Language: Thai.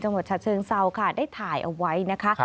จังหวัดฉะเชิงเซาค่ะได้ถ่ายเอาไว้นะคะ